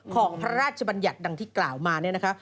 ของพระราชบัญญัติดังที่กล่าวมาเนี่ยนะคะ